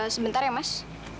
sebentar ya mas